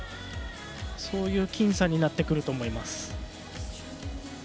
そういう僅差になってくると思います。